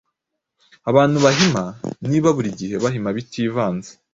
Abantu bahima, niba burigihe bahima bitavanze